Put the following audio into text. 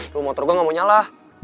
tuh motor gue gak mau nyala